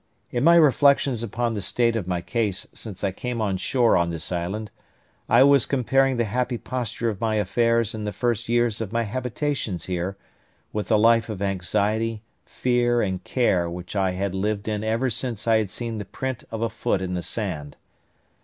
In my reflections upon the state of my case since I came on shore on this island, I was comparing the happy posture of my affairs in the first years of my habitation here, with the life of anxiety, fear, and care which I had lived in ever since I had seen the print of a foot in the sand.